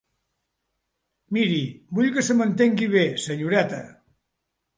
Miri, vull que m'entengui bé, senyoreta.